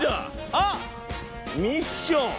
あっミッション。